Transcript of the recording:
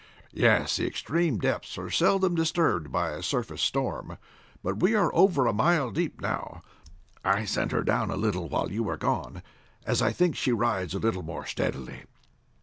"Yes, the extreme depths are seldom disturbed by a surface storm. But we are over a mile deep now. I sent her down a little while you were gone, as I think she rides a little more steadily."